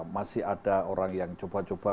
masih ada orang yang coba coba